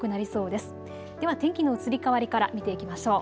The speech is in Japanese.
では天気の移り変わりから見ていきましょう。